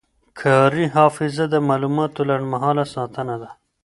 کاري حافظه د معلوماتو لنډمهاله ساتنه ده.